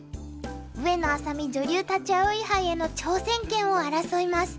上野愛咲美女流立葵杯への挑戦権を争います。